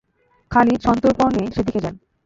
খালিদ সন্তর্পনে সেদিকে যান।